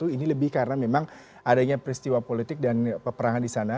ini lebih karena memang adanya peristiwa politik dan peperangan di sana